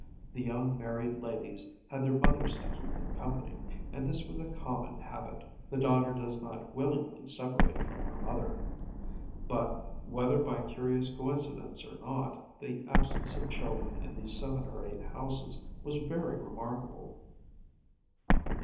The young married ladies had their mothers to keep them company, and this was a common habit; the daughter does not willingly separate from her mother. But, whether by curious coincidence or not, the absence of children in these seven or eight houses was very remarkable.